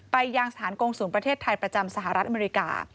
ไปยังสถานกงศูนย์ประเทศไทยประจำสหรัฐอเมริกา